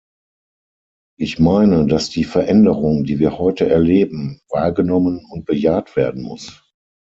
Ich meine, dass die Veränderung, die wir heute erleben, wahrgenommen und bejaht werden muss.